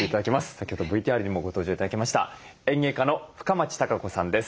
先ほどＶＴＲにもご登場頂きました園芸家の深町貴子さんです。